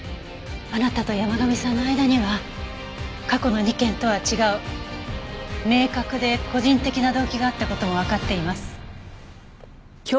あなたと山神さんの間には過去の２件とは違う明確で個人的な動機があった事もわかっています。